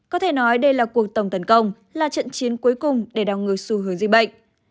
có thể nói đây là cuộc tổng tấn công là trận chiến cuối cùng để đào ngược xu hướng di bệnh